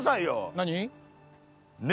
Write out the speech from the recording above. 何？